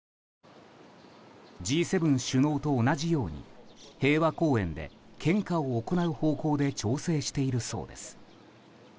Ｇ７首脳と同じように平和公園で献花を行う方向で調整しているそうです。